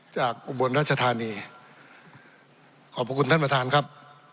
อุบลรัชธานีขอบพระคุณท่านประธานครับ